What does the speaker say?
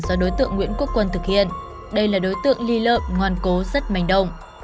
do đối tượng nguyễn quốc quân thực hiện đây là đối tượng ly lợm ngoan cố rất mạnh động